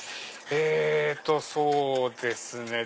えっとそうですね。